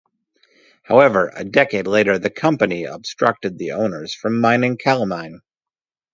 However a decade later the company obstructed the owners from mining calamine.